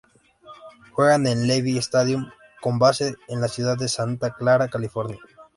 Juegan en el Levi's Stadium con base en la ciudad de Santa Clara, California.